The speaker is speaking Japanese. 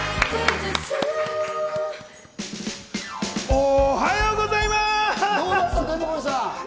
おはようございます！